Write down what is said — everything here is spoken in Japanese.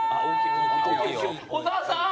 小沢さん。